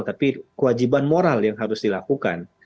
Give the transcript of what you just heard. tapi kewajiban moral yang harus dilakukan